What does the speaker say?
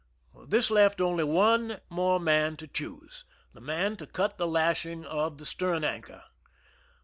This left only one more man to choose— the man to cut the lashing of the stern anchor.